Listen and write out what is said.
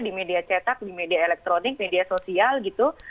di media cetak di media elektronik media sosial gitu